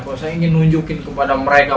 kalau saya ingin nunjukin kepada mereka